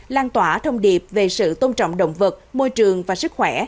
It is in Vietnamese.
lan tỏa thông điệp về sự tôn trọng động vật môi trường và sức khỏe